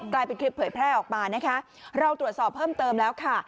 กลายเป็นคลิปเผยแพร่ออกมานะคะเราตรวจสอบเพิ่มเติมแล้วค่ะ